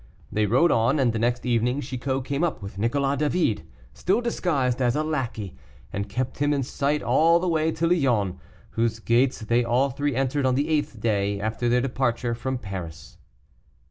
They rode on, and the next evening Chicot came up with Nicolas David, still disguised as a lackey, and kept him in sight all the way to Lyons, whose gates they all three entered on the eighth day after their departure from Paris.